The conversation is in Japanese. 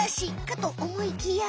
かとおもいきや。